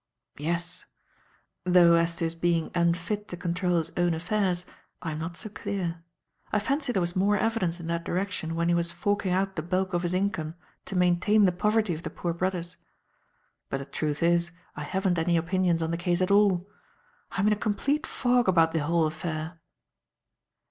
"Yes. Though as to his being unfit to control his own affairs, I am not so clear. I fancy there was more evidence in that direction when he was forking out the bulk of his income to maintain the poverty of the Poor Brothers. But the truth is, I haven't any opinions on the case at all. I am in a complete fog about the whole affair."